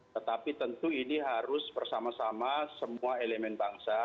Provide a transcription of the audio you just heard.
tetapi tentu ini harus bersama sama semua elemen bangsa